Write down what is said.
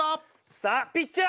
さあピッチャー